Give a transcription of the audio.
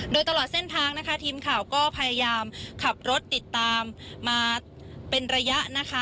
โดยตลอดเส้นทางนะคะทีมข่าวก็พยายามขับรถติดตามมาเป็นระยะนะคะ